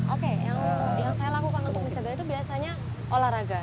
oke yang saya lakukan untuk mencegah itu biasanya olahraga